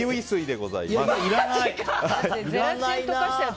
いらないな。